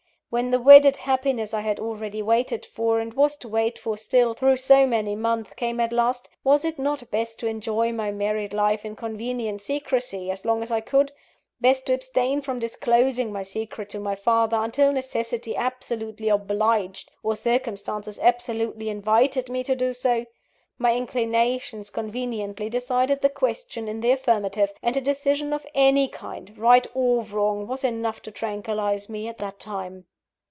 When the wedded happiness I had already waited for, and was to wait for still, through so many months, came at last, was it not best to enjoy my married life in convenient secrecy, as long as I could? best, to abstain from disclosing my secret to my father, until necessity absolutely obliged, or circumstances absolutely invited me to do so? My inclinations conveniently decided the question in the affirmative; and a decision of any kind, right or wrong, was enough to tranquillise me at that time.